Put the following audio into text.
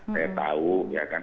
saya tahu ya kan